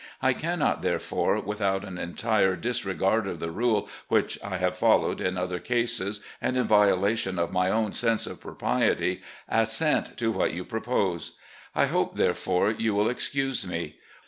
I cannot, therefore, without an entire disregard of the rule which I have followed in other cases, and in violation of my own sense of propriety, assent to what you propose. I hope, therefore, you will excuse me.